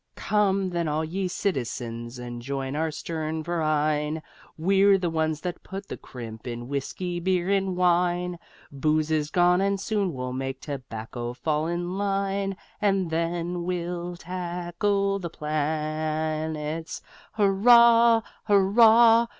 Come then, all ye citizens, and join our stern Verein: We're the ones that put the crimp in whiskey, beer and wine; Booze is gone and soon we'll make tobacco fall in line, And then we'll tackle the planets. Chorus: Hurrah! Hurrah!